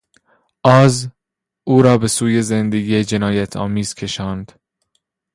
آز، او را به سوی زندگی جنایتآمیز کشاند.